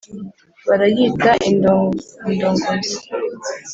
Barayita indondogozi!